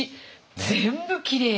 全部きれいに。